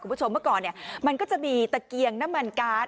คุณผู้ชมเมื่อก่อนมันก็จะมีตะเกียงน้ำมันการ์ด